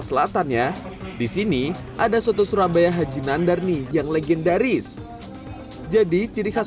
selatan ya di sini ada soto surabaya haji nandar nih yang legendaris jadi ciri khas